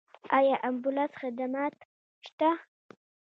آیا امبولانس خدمات شته؟